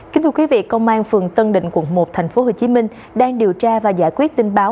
kính thưa quý vị công an phường tân định quận một tp hcm đang điều tra và giải quyết tin báo